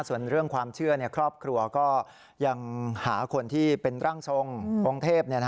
ส่วนเรื่องความเชื่อครอบครัวก็ยังหาคนที่เป็นร่างทรงองค์เทพ